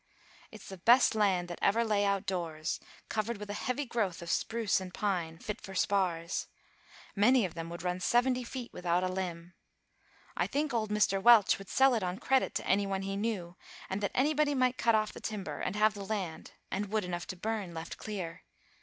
"It's the best land that ever lay out doors, covered with a heavy growth of spruce and pine, fit for spars; many of them would run seventy feet without a limb. I think old Mr. Welch would sell it on credit to any one he knew, and that anybody might cut off the timber, and have the land, and wood enough to burn, left clear.